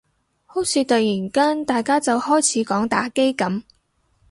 好似突然間大家就開始講打機噉